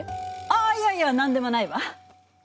あいやいや何でもないわ！